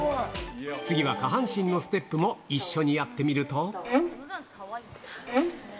次は下半身のステップも一緒にやってみると。